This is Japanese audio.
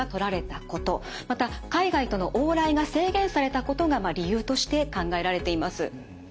また海外との往来が制限されたことが理由として考えられています。